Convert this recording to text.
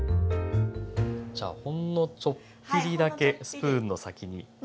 じゃあほんのちょっぴりだけスプーンの先に。